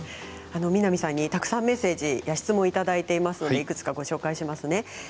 南さんにたくさんメッセージや質問をいただいていますのでいくつかご紹介しますね。